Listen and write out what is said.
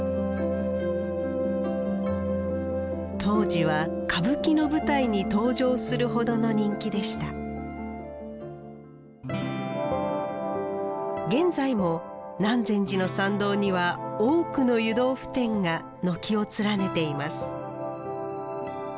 当時は歌舞伎の舞台に登場するほどの人気でした現在も南禅寺の参道には多くの湯豆腐店が軒を連ねています